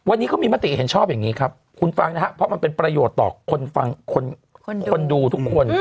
วันนี้เขามีมติเห็นชอบอย่างนี้ครับคุณฟังนะครับเพราะมันเป็นประโยชน์ต่อคนฟังคนดูทุกคน